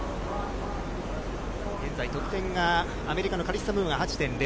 現在、得点がアメリカのカリッサ・ムーアが８．００。